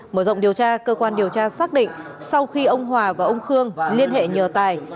mở rộng điều tra cơ quan điều tra xác định sau khi ông hòa và ông khương liên hệ nhờ tài